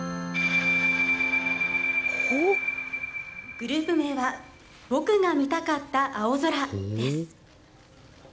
グループ名は僕が見たかった青空です。